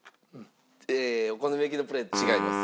ええお好み焼きのプレート違います。